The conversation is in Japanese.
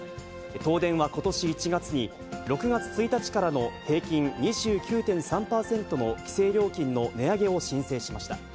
東電はことし１月に、６月１日からの平均２９．３％の規制料金の値上げを申請しました。